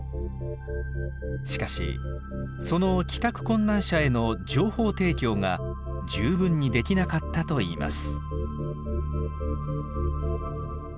しかしその帰宅困難者への情報提供が十分にできなかったといいます。